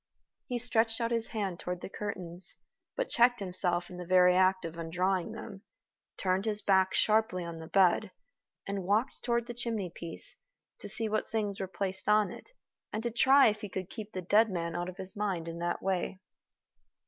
He stretched out his hand toward the curtains, but checked himself in the very act of undrawing them, turned his back sharply on the bed, and walked toward the chimney piece, to see what things were placed on it, and to try if he could keep the dead man out of his mind in that way.